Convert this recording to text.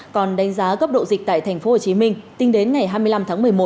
còn đánh giá cấp độ dịch tại tp hcm tính đến ngày hai mươi năm tháng một mươi một